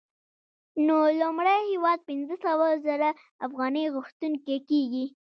نو لومړی هېواد پنځه سوه زره افغانۍ غوښتونکی کېږي